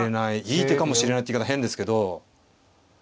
いい手かもしれないって言い方変ですけど。